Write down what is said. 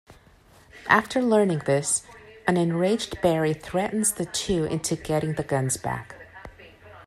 After learning this, an enraged Barry threatens the two into getting the guns back.